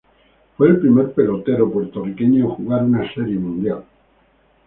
Fue el primer pelotero puertorriqueño en jugar una Serie Mundial.